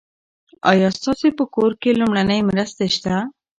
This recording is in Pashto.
ایا ستاسي په کور کې لومړنۍ مرستې شته؟